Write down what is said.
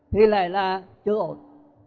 thì lại là chưa ổn